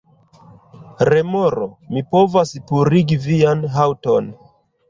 Remoro: "Mi povas purigi vian haŭton."